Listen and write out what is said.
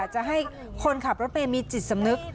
จะให้คนขับรถเมย์มีจิตสำนึก